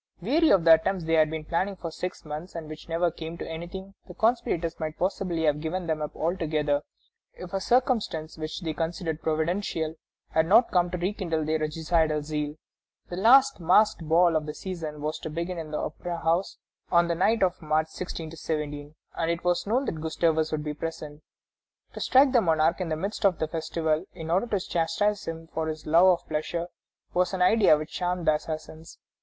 Weary of the attempts they had been planning for six months, and which never came to anything, the conspirators might possibly have given them up altogether if a circumstance which they considered providential had not come to rekindle their regicidal zeal. The last masked ball of the season was to be given in the Opera house on the night of March 16 17, and it was known that Gustavus would be present. To strike the monarch in the midst of the festival, in order to chastise him for his love of pleasure, was an idea which charmed the assassins.